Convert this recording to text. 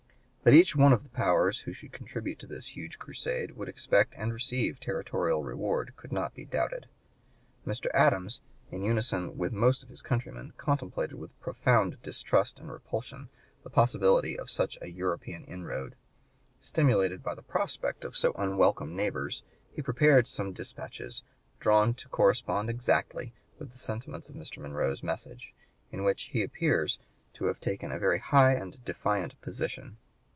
That each one of the powers who should contribute to this huge crusade would expect and receive territorial reward could not be doubted. Mr. Adams, in unison with most of his countrymen, contemplated with profound distrust and repulsion the possibility of such an European inroad. Stimulated by the prospect of so unwelcome neighbors, he prepared some dispatches, "drawn to correspond exactly" with the sentiments of Mr. Monroe's message, in which he appears to have taken a very high and defiant position.